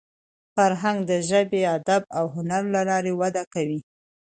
فرهنګ د ژبي، ادب او هنر له لاري وده کوي.